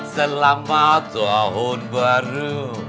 selamat tahun baru